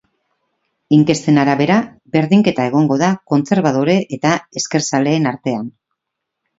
Inkesten arabera, berdinketa egongo da kontserbadore eta ezkerzaleen artean.